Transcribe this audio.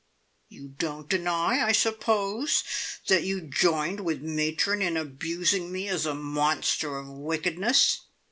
"You don't deny, I suppose, that you joined with matron in abusing me as a monster of wickedness?"